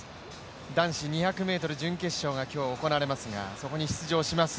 男子２００ｍ準決勝が今日行われますが、そこに出場します